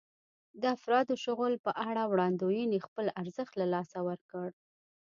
د افرادو د شغل په اړه وړاندوېنې خپل ارزښت له لاسه ورکړ.